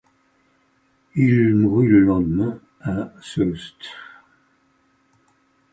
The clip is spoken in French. Il mourut le lendemain à Soest.